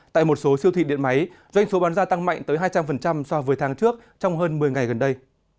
tại một số siêu thị điện máy doanh số bán gia tăng mạnh tới hai trăm linh so với tháng trước trong hơn một mươi ngày gần đây